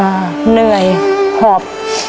เหนื่อยหอบ